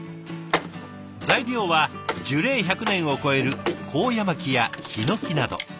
材料は樹齢１００年を超えるコウヤマキやヒノキなど。